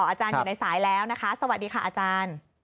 อาจารย์อยู่ในสายแล้วนะคะสวัสดีค่ะอาจารย์